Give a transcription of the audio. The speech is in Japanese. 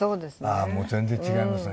ああもう全然違いますね。